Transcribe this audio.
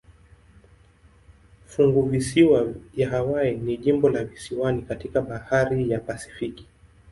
Funguvisiwa ya Hawaii ni jimbo la visiwani katika bahari ya Pasifiki.